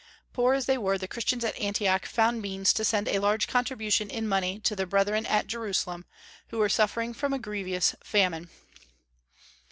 Poor as they were, the Christians at Antioch found means to send a large contribution in money to their brethren at Jerusalem, who were suffering from a grievous famine.